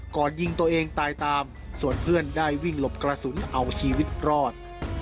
ก่อนยิงตัวเองตายตามส่วนเพื่อนได้วิ่งหลบกระสุนเอาชีวิตรอด